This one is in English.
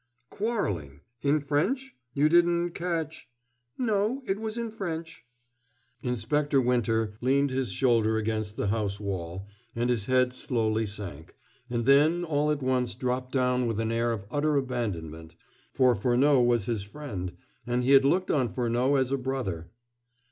"Quarreling in French? You didn't catch ?" "No, it was in French." Inspector Winter leant his shoulder against the house wall, and his head slowly sank, and then all at once dropped down with an air of utter abandonment, for Furneaux was his friend he had looked on Furneaux as a brother.